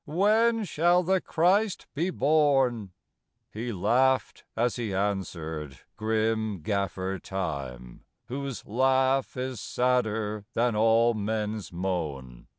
When shall the Christ be born? " He laughed as he answered, grim Gaffer Time, Whose laugh is sadder than all men s moan.